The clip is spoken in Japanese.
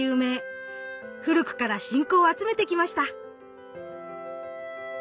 古くから信仰を集めてきました。